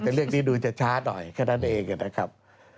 แต่เรื่องนี้ดูจะช้าหน่อยแค่นั้นเองนะครับ